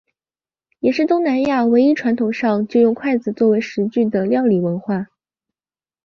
也是东南亚唯一传统上就用筷子作为食具的料理文化。